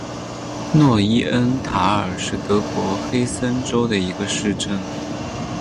诺伊恩塔尔是德国黑森州的一个市镇。